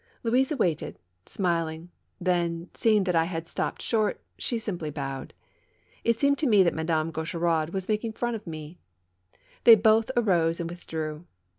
Louise awaited, smiling; then, seeing that I had stopped short, she simply bowed. It seemed to me that Madame Gaucheraud was making fun of me. They both arose and withdrew.